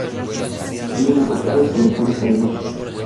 Viven acostados sobre fondos arenosos.